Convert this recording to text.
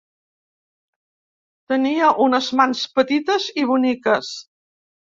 Tenia unes mans petites i boniques.